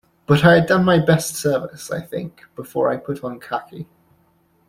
But I had done my best service, I think, before I put on khaki.